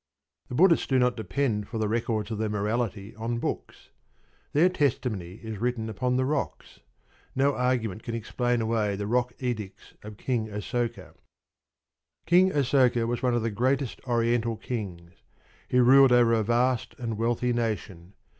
The Buddhists do not depend for the records of their morality on books. Their testimony is written upon the rocks. No argument can explain away the rock edicts of King Asoka. King Asoka was one of the greatest Oriental kings. He ruled over a vast and wealthy nation.